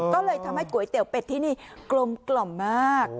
ก็เลยทำให้ก๋วยเตี๋ยวเป็ดที่นี่กลมกล่อมมาก